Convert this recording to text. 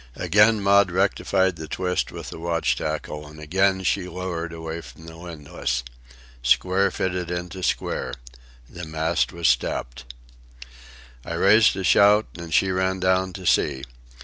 Again Maud rectified the twist with the watch tackle, and again she lowered away from the windlass. Square fitted into square. The mast was stepped. I raised a shout, and she ran down to see.